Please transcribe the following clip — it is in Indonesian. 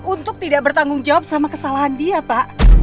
untuk tidak bertanggung jawab sama kesalahan dia pak